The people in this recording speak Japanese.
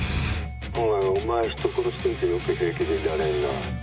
「おいお前人殺しといてよく平気でいられるな」